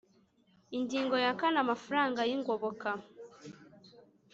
Ingingo ya kane Amafaranga y ingoboka